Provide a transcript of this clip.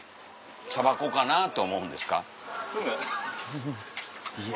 「さばこうかな」と思うんですか？